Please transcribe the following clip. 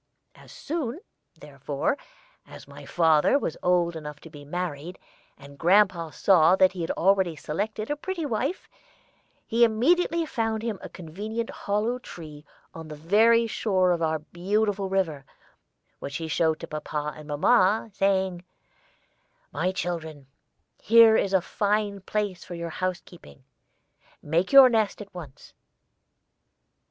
As soon, therefore, as my father was old enough to be married, and grandpa saw that he had already selected a pretty wife, he immediately found him a convenient hollow tree on the very shore of our beautiful river, which he showed to papa and mamma, saying, 'My children, here is a fine place for your housekeeping; make your nest at once.'